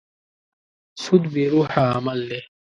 سود بې روحه عمل دی.